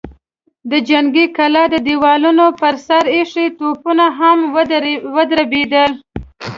د جنګي کلا د دېوالونو پر سر ايښي توپونه هم ودربېدل.